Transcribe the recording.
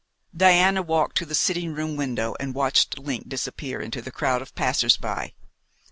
Diana walked to the sitting room window and watched Link disappear into the crowd of passers by.